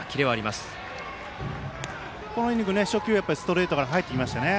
このイニング初球はストレートが入ってきましたね。